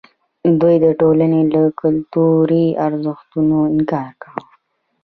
دوی د ټولنې له کلتوري ارزښتونو انکار کاوه.